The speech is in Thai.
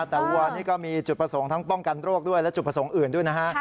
แต่วัวนี่ก็มีจุดประสงค์ทั้งป้องกันโรคด้วยและอื่นนะฮะ